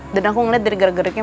dan aku ngeliat dari gerak geriknya